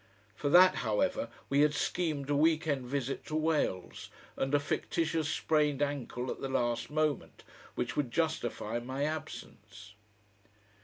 For that, however, we had schemed a weekend visit to Wales, and a fictitious sprained ankle at the last moment which would justify my absence....